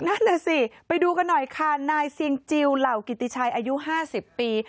นั่นน่ะสิไปดูกันหน่อยค่ะนายเซียงจิลเหล่ากิติชัยอายุ๕๐ปี